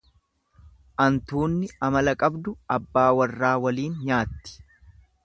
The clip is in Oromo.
Antuunni amala qabdu abbaa warraa waliin nyaatti.